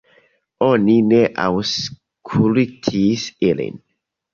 Oni ne aŭskultis ilin.